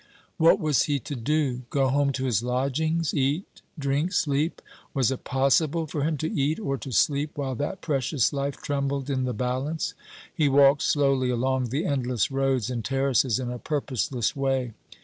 What was he to do? Go home to his lodgings eat, drink, sleep? Was it possible for him to eat or to sleep while that precious life trembled in the balance? He walked slowly along the endless roads and terraces in a purposeless way.